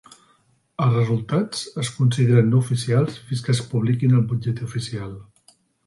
Els resultats es consideren no oficials fins que es publiquin al butlletí oficial.